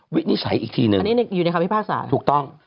วินิจฉัยอีกทีหนึ่งอันนี้อยู่ในคำพิพากษาถูกต้อง